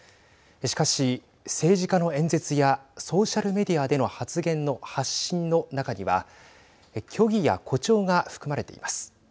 しかし、政治家の演説やソーシャル・メディアでの発信の中には虚偽や誇張が含まれています。